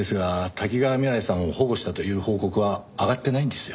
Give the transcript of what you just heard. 多岐川未来さんを保護したという報告は上がってないんですよ。